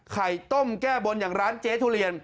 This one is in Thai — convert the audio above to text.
ไข่ต้มแก้บนอย่างร้านเจ๊ทุเรียน